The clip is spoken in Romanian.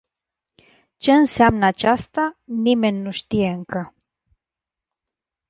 Ce înseamnă aceasta, nimeni nu știe încă.